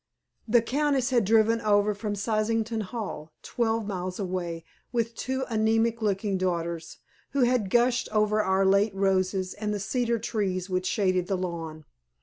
The Countess had driven over from Sysington Hall, twelve miles away, with two anæmic looking daughters, who had gushed over our late roses and the cedar trees which shaded the lawn.